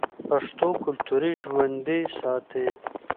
پښتو کلتور ژوندی ساتي.